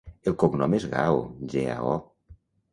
El cognom és Gao: ge, a, o.